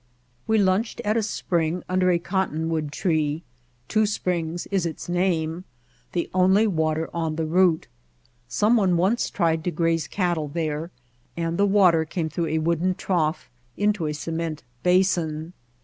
We lunched at a spring under a cottonwood tree — Two Springs is its name, the only water on the route. Some one once tried to graze cattle there, and the water came through a wooden trough into a cement basin.